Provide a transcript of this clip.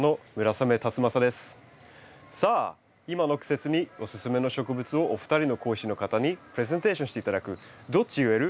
さあ今の季節におすすめの植物をお二人の講師の方にプレゼンテーションして頂く「どっち植える？」